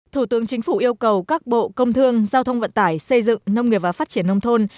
thủ tướng chính phủ yêu cầu các bộ công thương giao thông vận tải xây dựng nông nghiệp và phát triển nông thôn